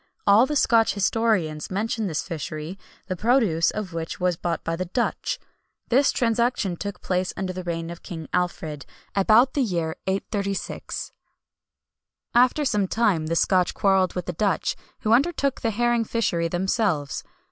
All the Scotch historians mention this fishery, the produce of which was bought by the Dutch. This transaction took place under the reign of King Alfred, about the year 836. After some time the Scotch quarrelled with the Dutch, who undertook the herring fishery themselves.